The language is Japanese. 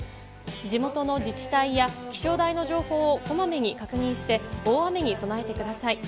地元の自治体や気象台の情報をこまめに確認して、大雨に備えてください。